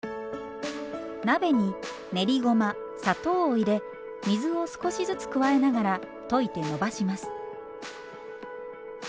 鍋に練りごま砂糖を入れ水を少しずつ加えながら溶いてのばします。